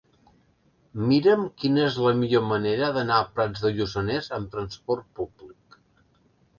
Mira'm quina és la millor manera d'anar a Prats de Lluçanès amb trasport públic.